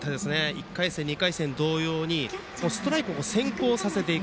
１回戦、２回戦同様にストライクを先行させていく。